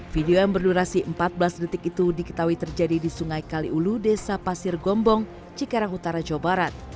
video yang berdurasi empat belas detik itu diketahui terjadi di sungai kaliulu desa pasir gombong cikarang utara jawa barat